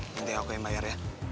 nanti aku yang bayar ya